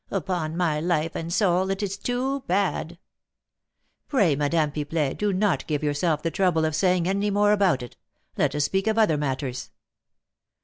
Upon my life and soul, it is too bad." "Pray, Madame Pipelet, do not give yourself the trouble of saying any more about it: let us speak of other matters."